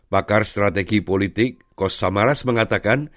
pakar strategi politik kos samaras mengatakan